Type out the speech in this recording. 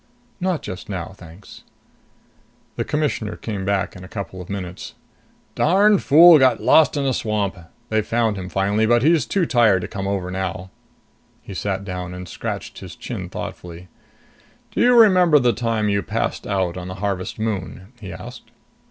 "Not just now, thanks." The Commissioner came back in a couple of minutes. "Darn fool got lost in a swamp! They found him finally, but he's too tired to come over now." He sat down and scratched his chin thoughtfully. "Do you remember the time you passed out on the Harvest Moon?" he asked.